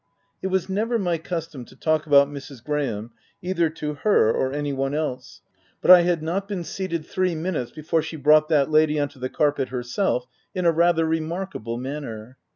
It was never my custom to talk about Mrs. Graham either to her or any one else ; but I had not been seated three minutes, before she brought that lady on to the carpet herself, in a rather remarkable manner.